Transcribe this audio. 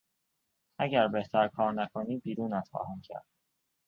اگر بهتر کار نکنی بیرونت خواهم کرد!